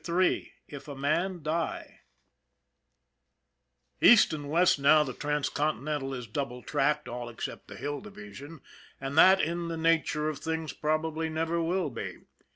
Ill " IF A MAN DIE " EAST and West now, the Transcontinental is double tracked, all except the Hill Division and that, in the nature of things, probably never will be.